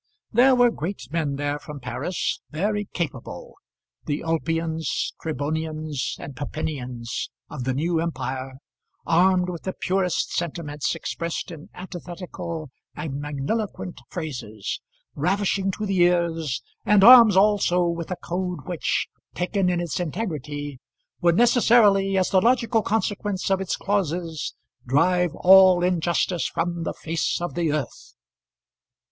There were great men there from Paris, very capable, the Ulpians, Tribonians, and Papinians of the new empire, armed with the purest sentiments expressed in antithetical and magniloquent phrases, ravishing to the ears, and armed also with a code which, taken in its integrity, would necessarily, as the logical consequence of its clauses, drive all injustice from the face of the earth.